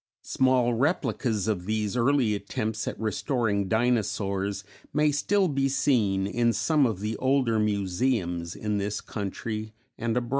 Small replicas of these early attempts at restoring dinosaurs may still be seen in some of the older museums in this country and abroad.